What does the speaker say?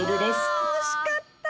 ああ惜しかった！